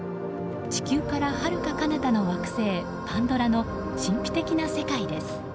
地球からはるかかなたの惑星パンドラの神秘的な世界です。